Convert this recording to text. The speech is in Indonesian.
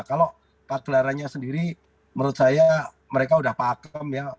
kalau pagelarannya sendiri menurut saya mereka sudah pakem ya